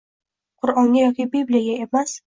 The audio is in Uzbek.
Qurʼonga yoki Bibliyaga emas